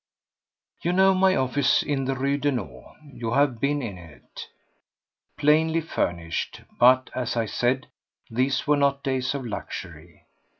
You know my office in the Rue Daunou, you have been in it—plainly furnished; but, as I said, these were not days of luxury.